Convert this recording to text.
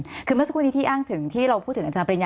คือเมื่อสักครู่นี้ที่อ้างถึงที่เราพูดถึงอาจารย์ปริญญา